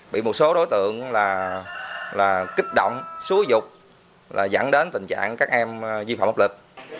bị một số đối tượng kích động xúi dục dẫn đến tình trạng các em vi phạm hợp lực